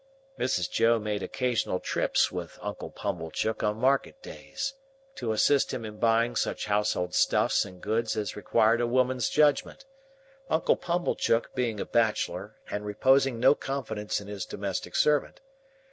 Mrs. Joe made occasional trips with Uncle Pumblechook on market days, to assist him in buying such household stuffs and goods as required a woman's judgment; Uncle Pumblechook being a bachelor and reposing no confidences in his domestic servant.